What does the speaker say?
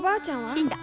死んだ。